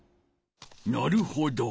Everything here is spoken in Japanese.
なるほど。